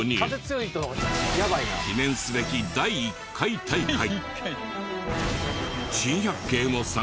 記念すべき第１回大会。